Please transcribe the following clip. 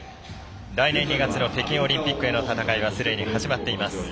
来年２月の北京オリンピックへの戦いはすでに始まっています。